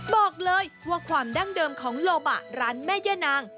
บอกเลยว่าความดั้งเดิมของโลบะร้านแม่ย่านาง